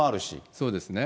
そうですね。